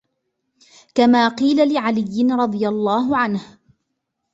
كَمَا قِيلَ لِعَلِيٍّ رَضِيَ اللَّهُ عَنْهُ